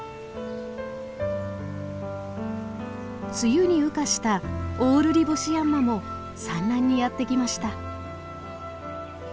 梅雨に羽化したオオルリボシヤンマも産卵にやって来ました。